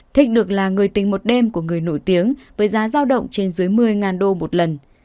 thích được là người tình một đêm của người nổi tiếng với giá giao động trên dưới một mươi đô một lần